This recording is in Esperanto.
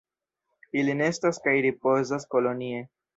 Ili nestas kaj ripozas kolonie.